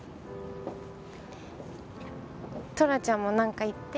トラちゃんもなんか言って。